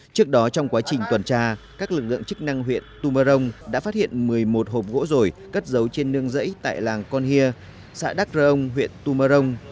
trước đó trong quá trình toàn tra các lực lượng chức năng huyện tumarong đã phát hiện một mươi một hộp gỗ rổi cất giấu trên nương rẫy tại làng con hia xã đắc rồng huyện tumarong